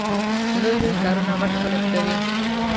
لوی لوی کارونه غټ خلګ کوي